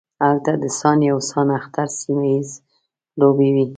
هلته د سان یو سان اختر سیمه ییزې لوبې وې.